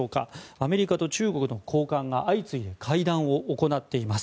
アメリカと中国の高官が相次いで会談を行っています。